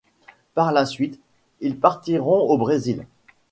Par la suite, ils partiront au Brésil.